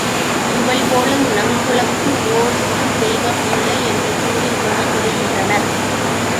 இவள் போலும் நங் குலக்கு ஒர் இருந் தெய்வம் இல்லை என்று கூறி வழிபடுகின்றனர்.